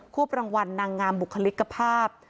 วบรางวัลนางงามบุคลิกภาพ